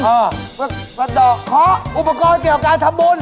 เออเพื่อสะดอกเคาะอุปกรณ์เกี่ยวกับการทำบุญ